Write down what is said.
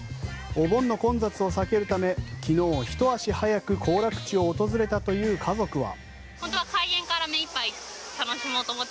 お盆の混雑を避けるため昨日、ひと足早く行楽地を訪れたという家族は。